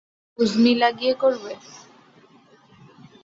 তাই বলে কি, হজমী লাগিয়ে করবে?